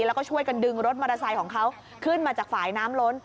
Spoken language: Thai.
แล้วก็ช่วยกันดึงรถมอเตอร์ไซค์ของเขาขึ้นมาจากฝ่ายน้ำล้น